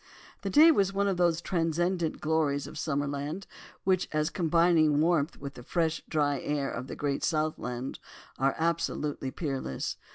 The day was one of those transcendant glories of a summer land, which, as combining warmth with the fresh dry air of the Great South Land, are absolutely peerless.